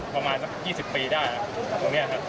ประมาณสัก๒๐ปีได้ตรงนี้ครับ